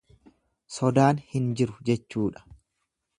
Sodaan hin jiru jechuudha.